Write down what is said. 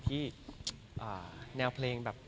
ก็มีไปคุยกับคนที่เป็นคนแต่งเพลงแนวนี้